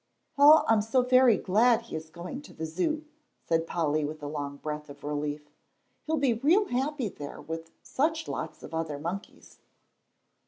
"Oh, I'm so very glad he is going to the Zoo," said Polly, with a long breath of relief, "he'll be real happy there with such lots of other monkeys."